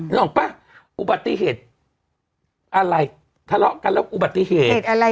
นึกออกป่ะอุบัติเหตุอะไรทะเลาะกันแล้วอุบัติเหตุอะไร